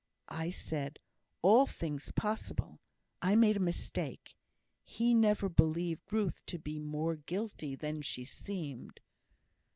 I said, "all things possible;" I made a mistake. He never believed Ruth to be more guilty than she seemed.